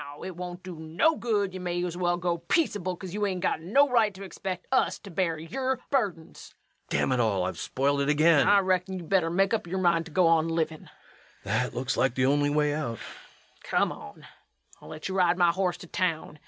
It won't do no good. You may as well go peaceable; ye ain't got no right to expect us to bear yer burdens. REVENUE. Damn it all! I've spoiled it again. LUKE. I reckon you better make up yer mind to go on livin'. REVENUE. That looks like the only way out. LUKE. Come on, I'll let you ride my horse to town.